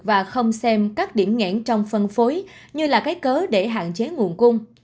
và không xem các điểm ngẽn trong phân phối như là cái cớ để hạn chế nguồn cung